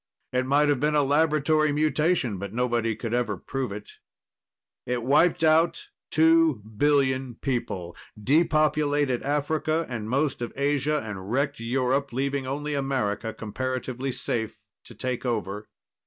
It might have been a laboratory mutation, but nobody could ever prove it. It wiped out two billion people, depopulated Africa and most of Asia, and wrecked Europe, leaving only America comparatively safe to take over.